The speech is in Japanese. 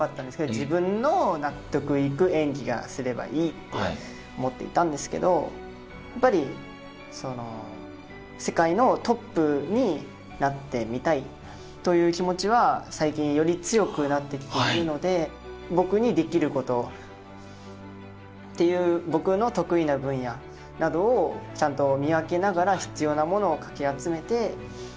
自分の納得いく演技がすればいいと思ってたんですがやっぱり世界のトップになってみたいという気持ちは最近より強くなってきているので僕にできること僕の得意な分野などをちゃんと見分けながら必要なものをかき集めて。